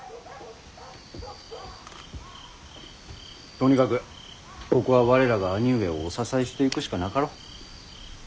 とにかくここは我らが兄上をお支えしていくしかなかろう。